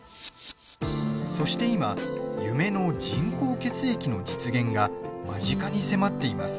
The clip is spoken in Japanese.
そして今、夢の人工血液の実現が間近に迫っています。